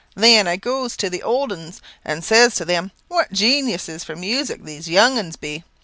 Then I goes to the old 'uns, and says to them, what genuses for music these young 'uns be!